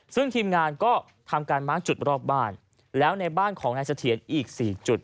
ซึ่งทีมงานก็ทำการมาร์คจุดรอบบ้านแล้วในบ้านของนายเสถียรอีก๔จุด